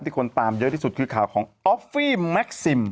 คนตามเยอะที่สุดคือข่าวของออฟฟี่แม็กซิม